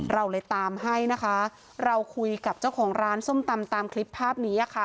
เราเลยตามให้นะคะเราคุยกับเจ้าของร้านส้มตำตามคลิปภาพนี้ค่ะ